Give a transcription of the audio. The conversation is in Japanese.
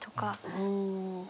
うん。